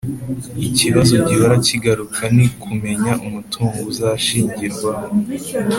lkibazo gihora kigaruka ni kumenya umutungo uzashingirwaho